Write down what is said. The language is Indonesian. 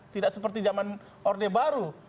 tidak seperti zaman orde baru